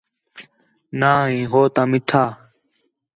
ناں ہے ہو تا میٹھا